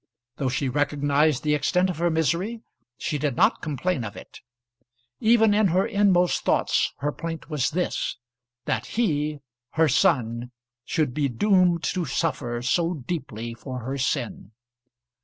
Though she recognised the extent of her misery, she did not complain of it. Even in her inmost thoughts her plaint was this, that he, her son, should be doomed to suffer so deeply for her sin!